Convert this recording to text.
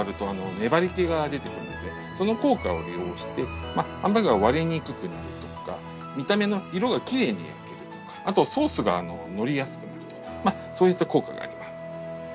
その効果を利用してハンバーグが割れにくくなるとか見た目の色がきれいに焼けるとかあとソースがのりやすくなるとかそういった効果があります。